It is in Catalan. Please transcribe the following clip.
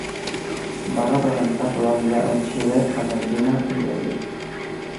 Va representar Colòmbia en Xile, Argentina i Brasil.